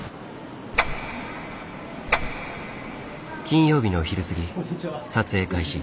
金曜日のお昼過ぎ撮影開始。